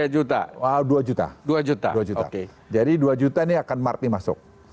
jadi dua juta ini akan marti masuk